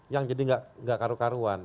yang jadi enggak karu karuan